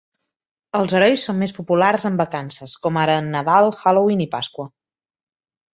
Els herois són més populars en vacances, com ara en Nadal, Halloween i Pasqua.